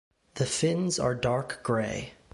The fins are dark grey.